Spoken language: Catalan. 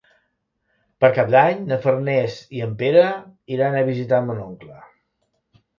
Per Cap d'Any na Farners i en Pere iran a visitar mon oncle.